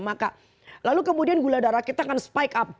maka lalu kemudian gula darah kita akan spike up